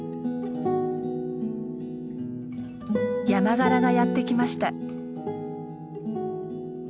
ヤマガラがやって来ました。